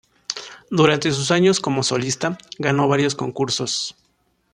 Durante sus años como solista, ganó varios concursos.